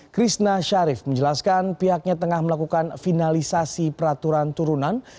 krishna syarif menjelaskan pihaknya tengah melakukan finalisasi peraturan turunan